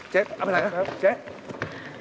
เจ๊เอาไปไหนนะเจ๊ครับ